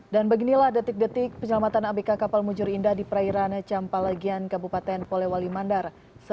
dan beginilah detik detik penyelamatan abk kapal mujur indah di prairana campalagian kabupaten polewali mandar